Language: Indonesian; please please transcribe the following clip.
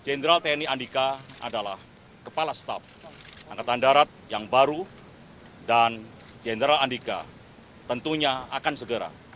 jenderal tni andika adalah kepala staf angkatan darat yang baru dan jenderal andika tentunya akan segera